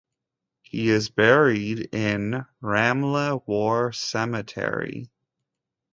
He is buried in Ramleh War Cemetery.